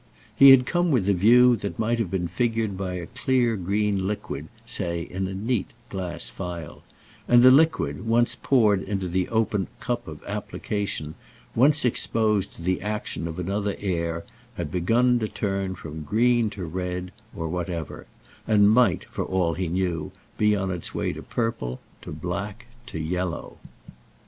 He had come with a view that might have been figured by a clear green liquid, say, in a neat glass phial; and the liquid, once poured into the open cup of application, once exposed to the action of another air, had begun to turn from green to red, or whatever, and might, for all he knew, be on its way to purple, to black, to yellow.